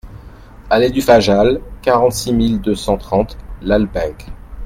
Allées du Fajal, quarante-six mille deux cent trente Lalbenque